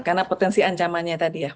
karena potensi ancamannya tadi ya